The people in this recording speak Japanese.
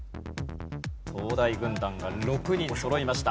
東大軍団が６人そろいました。